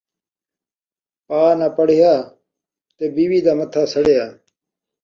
پاء ناں پڑھیا تے بیوی دا متھا سڑیا